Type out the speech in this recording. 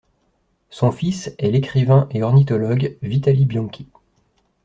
Son fils est l’écrivain et ornithologue Vitali Bianchi.